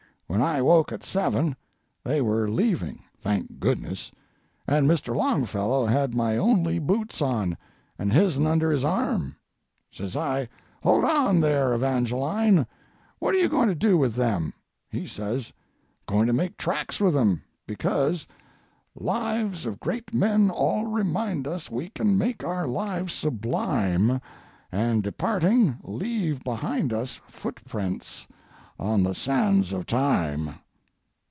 When I woke at seven, they were leaving, thank goodness, and Mr. Longfellow had my only boots on, and his'n under his arm. Says I, 'Hold on, there, Evangeline, what are you going to do with them?' He says, 'Going to make tracks with 'em; because: "'Lives of great men all remind us We can make our lives sublime; And, departing, leave behind us Footprints on the sands of time.'